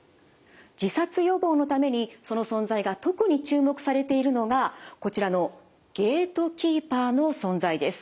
自殺予防のためにその存在が特に注目されているのがこちらのゲートキーパーの存在です。